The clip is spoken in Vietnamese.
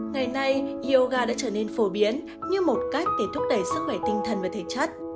ngày nay yoga đã trở nên phổ biến như một cách để thúc đẩy sức khỏe tinh thần và thể chất